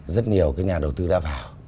rất nhiều nhà đầu tư đã vào